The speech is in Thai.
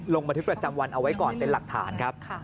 ลงบันทึกประจำวันเอาไว้ก่อนเป็นหลักฐานครับ